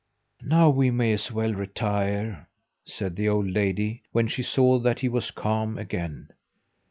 "Now we may as well retire," said the old lady when she saw that he was calm again.